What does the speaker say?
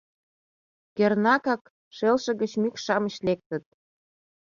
Кернакак, шелше гыч мӱкш-шамыч лектыт.